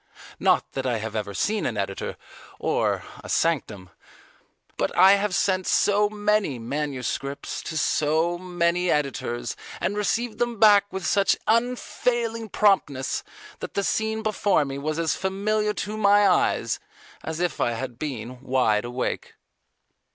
Not that I have ever seen an editor or a sanctum. But I have sent so many manuscripts to so many editors and received them back with such unfailing promptness, that the scene before me was as familiar to my eye as if I had been wide awake.